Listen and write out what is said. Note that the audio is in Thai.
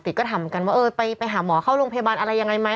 ก็ถามเหมือนกันว่าเออไปหาหมอเข้าโรงพยาบาลอะไรยังไงไหม